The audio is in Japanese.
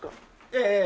ええ。